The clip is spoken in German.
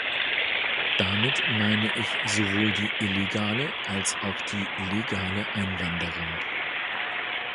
Damit meine ich sowohl die illegale als auch die legale Einwanderung.